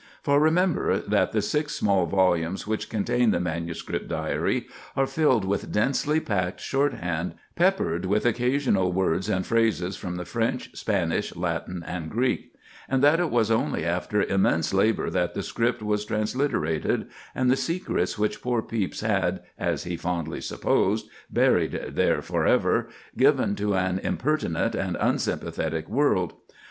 For remember that the six small volumes which contain the manuscript diary are filled with densely packed short hand, peppered with occasional words and phrases from the French, Spanish, Latin, and Greek; and that it was only after immense labor that the script was transliterated, and the secrets which poor Pepys had, as he fondly supposed, buried there forever, given to an impertinent and unsympathetic world.